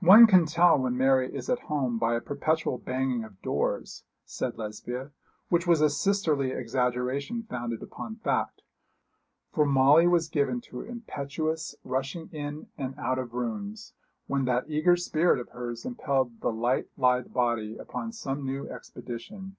'One can tell when Mary is at home by a perpetual banging of doors,' said Lesbia, which was a sisterly exaggeration founded upon fact, for Molly was given to impetuous rushing in and out of rooms when that eager spirit of hers impelled the light lithe body upon some new expedition.